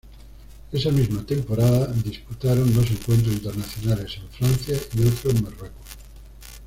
Esa misma temporada disputaron dos encuentros internacionales en Francia y otro en Marruecos.